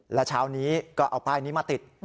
แล้วเช้านี้ก็เอาป้ายนี้มาติด